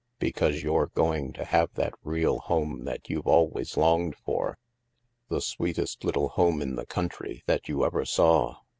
Because you're go ing to have that real home that you've always longed for ; the sweetest Uttle home in the country that you ever saw."